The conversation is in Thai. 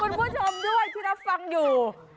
คุณผู้ชมด้วยที่รับฟังอยู่